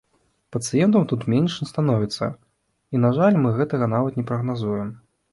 Пацыентаў тут менш не становіцца, і, на жаль, мы гэтага нават не прагназуем.